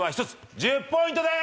１０ポイントです。